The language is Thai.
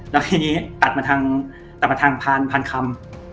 แล้วทีนี้ตัดมาทางพันคำ